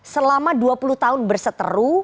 selama dua puluh tahun berseteru